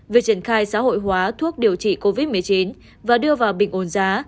về triển khai xã hội hóa thuốc điều trị covid một mươi chín và đưa vào bình ồn giá